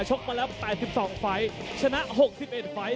กมาแล้ว๘๒ไฟล์ชนะ๖๑ไฟล์